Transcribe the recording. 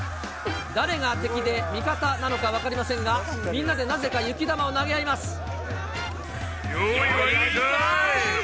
誰が敵で味方なのか分かりませんが、みんなでなぜか雪玉を投げ合います。